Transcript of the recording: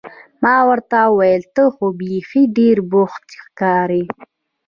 ما ورته وویل: ته خو بیخي ډېر بوخت ښکارې.